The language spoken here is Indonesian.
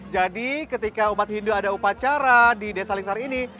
jadi ketika umat hindu ada upacara di desa lingsan ini